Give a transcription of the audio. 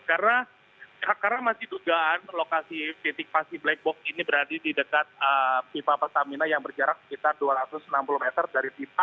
karena masih tugas lokasi titik pasti black box ini berada di dekat pipa pertamina yang berjarak sekitar dua ratus enam puluh meter dari pipa